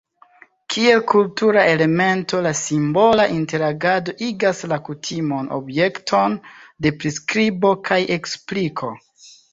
Kiel kultura elemento la simbola interagado igas la kutimon objekton de priskribo kaj ekspliko.